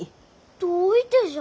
どういてじゃ？